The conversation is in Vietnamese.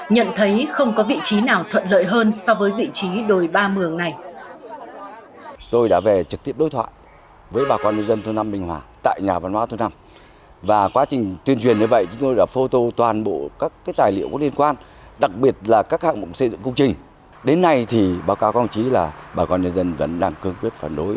nhận thấy không có vị trí nào thuận lợi hơn so với vị trí đồi ba mường này